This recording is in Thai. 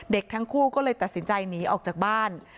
ทั้งคู่ก็เลยตัดสินใจหนีออกจากบ้าน